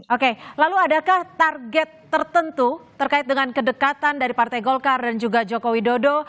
oke lalu adakah target tertentu terkait dengan kedekatan dari partai golkar dan juga joko widodo